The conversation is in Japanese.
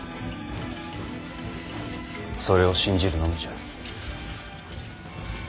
それを信じるのみじゃ。